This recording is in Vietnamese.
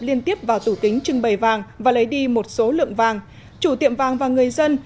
liên tiếp vào tủ kính trưng bày vàng và lấy đi một số lượng vàng chủ tiệm vàng và người dân